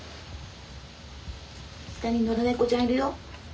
下に野良猫ちゃんいるよ。